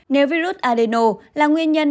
nếu virus adeno là nguyên nhân